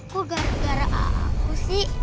aku gara gara aku sih